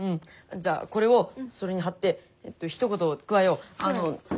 じゃあこれをそれに貼ってひと言加えよう。